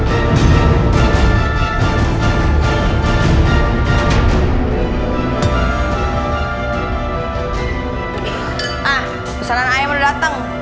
ah pesanan ayam udah dateng